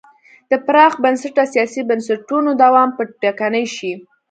د پراخ بنسټه سیاسي بنسټونو دوام به ټکنی شي.